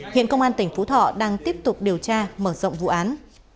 hiện công an tỉnh phú thọ đang tiếp tục điều tra mở rộng vụ án